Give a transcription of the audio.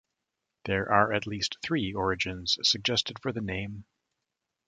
There are at least three origins suggested for the name.